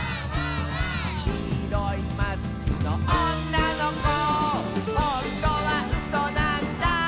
「きいろいマスクのおんなのこ」「ほんとはうそなんだ」